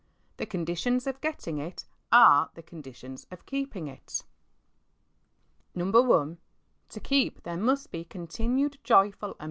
The conditions of getting it are the conditions of keeping it. L To keep there must he continued joyful and pe?